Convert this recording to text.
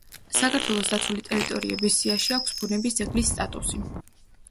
საქართველოს დაცული ტერიტორიების სიაში აქვს ბუნების ძეგლის სტატუსი.